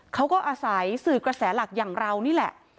เขาก็อาศัยสื่อกระแสหลักอย่างเรานี่แหละ